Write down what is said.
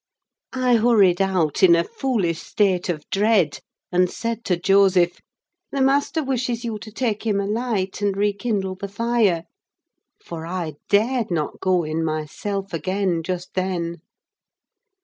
I hurried out in a foolish state of dread, and said to Joseph—"The master wishes you to take him a light and rekindle the fire." For I dared not go in myself again just then.